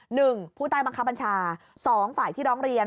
หนึ่งผู้ใต้บังคับบัญชาสองฝ่ายที่ร้องเรียน